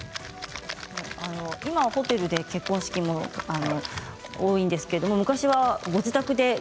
今はホテルで結婚式も多いんですけれども昔はご自宅で？